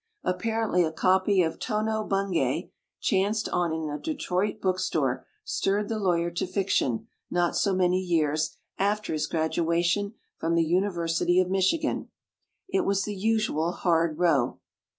Apparent ly a copy of "Tono Bungay", chanced on in a Detroit bookstore, stirred the lawyer to fiction, not so many years 92 THE BOOKMAN after his graduation from the Univer sity of Michigan. It was the usual hard row.